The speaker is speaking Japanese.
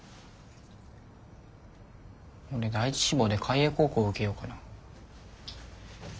俺第１志望で開栄高校受けようかな。